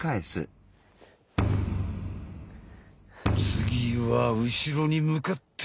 次は後ろに向かって。